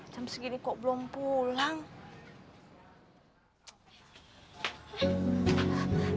jam segini kok belum pulang